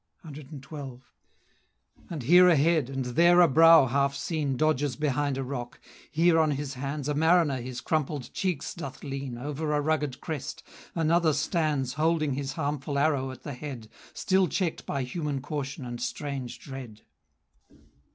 CXII. And here a head, and there a brow half seen, Dodges behind a rock. Here on his hands A mariner his crumpled cheeks doth lean Over a rugged crest. Another stands, Holding his harmful arrow at the head, Still check'd by human caution and strange dread.